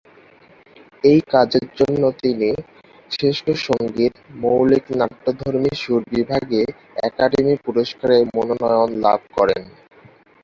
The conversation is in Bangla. এই কাজের জন্য তিনি শ্রেষ্ঠ সঙ্গীত, মৌলিক নাট্যধর্মী সুর বিভাগে একাডেমি পুরস্কারের মনোনয়ন লাভ করেন।